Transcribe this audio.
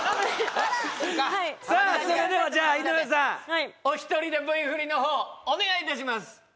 それでは井上さんお一人でＶフリの方お願いいたします！